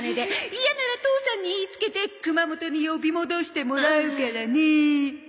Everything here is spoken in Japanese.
嫌なら父さんに言いつけて熊本に呼び戻してもらうからねえ。